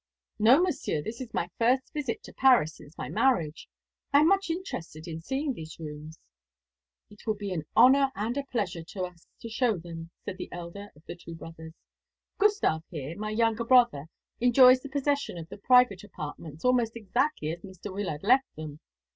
"No, Monsieur, this is my first visit to Paris since my marriage. I am much interested in seeing these rooms." "It will be an honour and a pleasure to us to show them," said the elder of the two brothers. "Gustav there, my younger brother, enjoys the possession of the private apartments almost exactly as Mr. Wyllard left them.